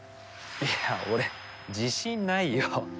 いや俺自信ないよ